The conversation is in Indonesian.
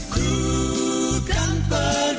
ku kan pergi bersamanya